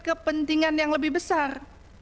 kepentingan yang lebih besar